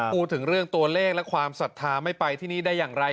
พูดถึงเรื่องตัวเลขและความศรัทธาไม่ไปที่นี่ได้อย่างไร